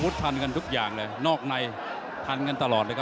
ซ้ายติดหมด๔ยก